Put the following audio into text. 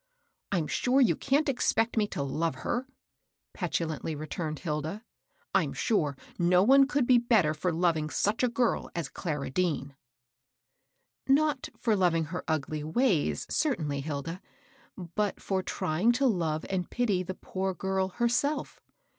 " I'm sure you can't expect me to love her,'* petulantly returned Hilda. " I'm sure no one could be better for loving such a girl as Clara Dean." " Not for loving her ugly ways, certainly, Hilda; but for trying to love and pity the poor girl herself.